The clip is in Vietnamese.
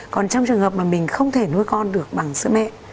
còn trong trường hợp mà mình không thể nuôi con được bằng sữa mẹ